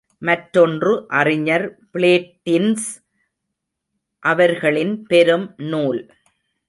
மற்றொன்று அறிஞர் பிளேட்டின்ஸ் அவர்களின் பெரும் நூல்.